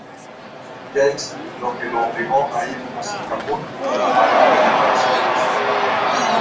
Jacques lo que lo obligó a ir a Singapur para reparaciones.